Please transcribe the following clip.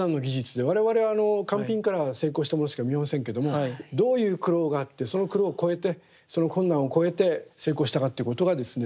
我々は完品からは成功したものしか見えませんけどもどういう苦労があってその苦労を越えてその困難を越えて成功したかっていうことがですね